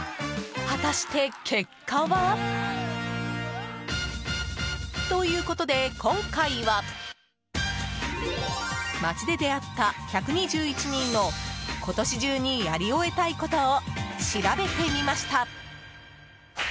果たして結果は。ということで今回は街で出会った１２１人の今年中にやり終えたいことを調べてみました。